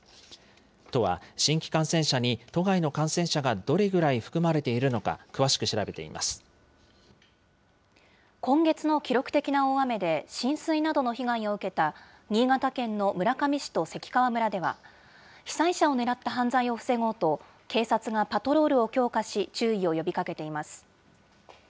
都は、新規感染者に都外の感染者がどれぐらい含まれているのか、詳しく今月の記録的な大雨で浸水などの被害を受けた、新潟県の村上市と関川村では、被災者を狙った犯罪を防ごうと、警察がパトロールを強化し、注意を呼びかけています。